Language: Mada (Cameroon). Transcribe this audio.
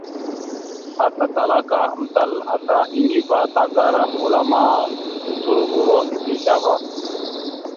Ata Talaka amtal ata Aŋgiva tagara mula ma, ocolovura a dezl ava.